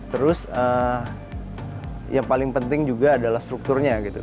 terus yang paling penting juga adalah strukturnya gitu